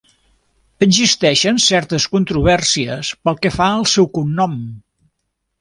Existeixen certes controvèrsies pel que fa al seu cognom.